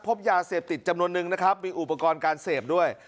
พบยาเสพติดจำนวนนึงนะครับมีอุปกรณ์การเสพด้วย